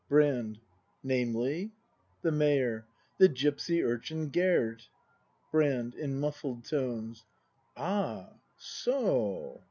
Brand. Namely —? The Mayor. The gipsy urchin Gerd. Ah Brand. [In muffled tones.] so!